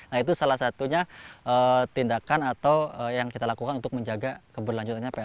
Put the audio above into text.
nah itu salah satunya tindakan atau yang kita lakukan untuk menjaga keberlanjutannya pln